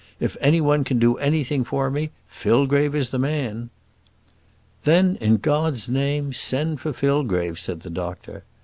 If any one can do anything for me, Fillgrave is the man." "Then in God's name send for Fillgrave," said the doctor.